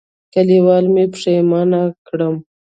کلیوالو مې پښېمانه کړم.